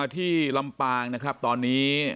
ที่ลำปางนะครับตอนนี้